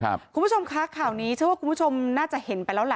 คุณผู้ชมคะข่าวนี้เชื่อว่าคุณผู้ชมน่าจะเห็นไปแล้วล่ะ